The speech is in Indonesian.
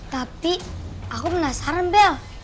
tapi aku penasaran bel